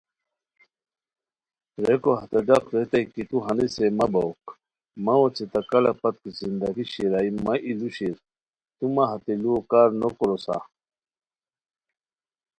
ریکو ہتے ڈاق ریتائے کی تو ہنیسے مہ بوک مہ اوچے تہ کلہ پت کی زندگی شیرائے مہ ای لوُ شیر تو مہ ہتے لوؤ کار نو کوروسا؟